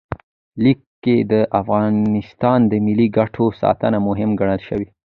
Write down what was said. لیک کې د افغانستان د ملي ګټو ساتنه مهمه ګڼل شوې.